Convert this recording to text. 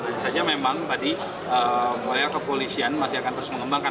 hanya saja memang tadi pihak kepolisian masih akan terus mengembangkan